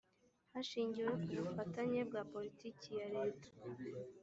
hashingiwe ku bufatanye bwa politiki ya leta